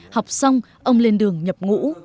học xong ông lên đường nhập ngũ